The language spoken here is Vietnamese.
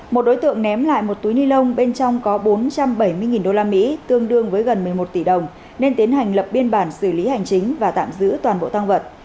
một đối tượng ném lại một túi ni lông bên trong có bốn trăm bảy mươi usd tương đương với gần một mươi một tỷ đồng nên tiến hành lập biên bản xử lý hành chính và tạm giữ toàn bộ tăng vật